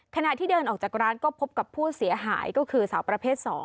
ขณะที่เดินออกจากร้านก็พบกับผู้เสียหายก็คือสาวประเภท๒